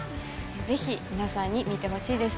ぜひ皆さんに見てほしいです